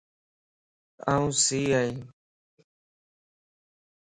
آن سئي ائين